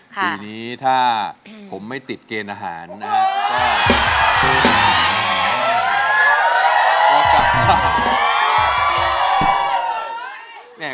ปีนี้ถ้าผมไม่ติดเกณฑ์อาหารนะครับ